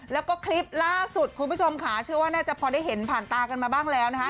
แล้วก็คลิปล่าสุดคุณผู้ชมค่ะเชื่อว่าน่าจะพอได้เห็นผ่านตากันมาบ้างแล้วนะคะ